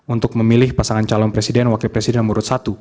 untuk memilih pasangan calon presiden wakil presiden nomor satu